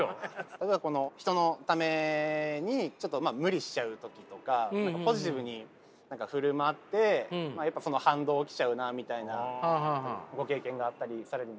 例えば人のためにちょっとまあ無理しちゃう時とかポジティブに何か振る舞ってその反動来ちゃうなみたいなご経験があったりされるんですか？